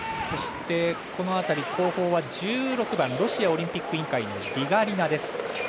そして後方は１６番ロシアオリンピック委員会のリガリナです。